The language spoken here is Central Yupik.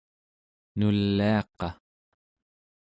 nuliaqa